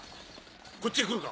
こっちへ来るか？